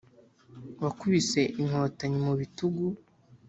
Wakubise inkotanyi mu bitugu